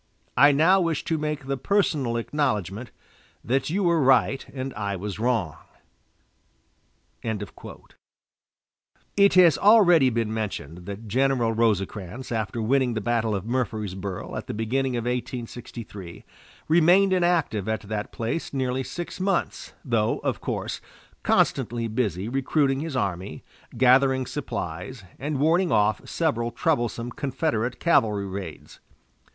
I now wish to make the personal acknowledgment that you were right and I was wrong." It has already been mentioned that General Rosecrans after winning the battle of Murfreesboro at the beginning of 1863, remained inactive at that place nearly six months, though, of course, constantly busy recruiting his army, gathering supplies, and warding off several troublesome Confederate cavalry raids.